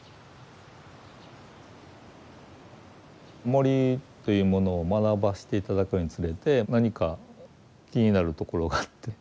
森というものを学ばせて頂くにつれて何か気になるところがあって。